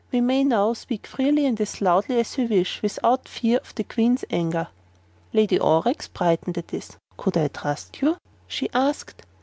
"We may now speak freely and as loudly as we wish, without fear of the Queen's anger." Lady Aurex brightened at this. "Can I trust you?" she asked.